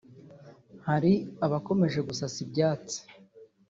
hari abakomeje gusasa ibyatsi